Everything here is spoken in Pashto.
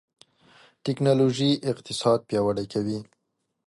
ټکنالوژي اقتصاد پیاوړی کوي.